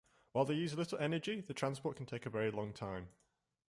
While they use little energy, the transport can take a very long time.